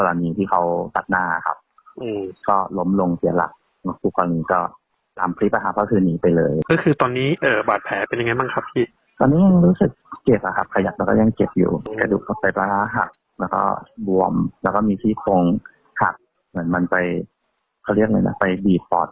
เหมือนมันไปเขาเรียกเหมือนไปบีบต่ออยู่อะไรครับ